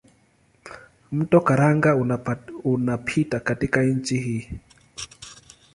Mto Karanga unapita katika nchi hii.